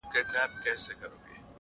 خو حمزه قامیت ته د یوې فلسفیانه اډانې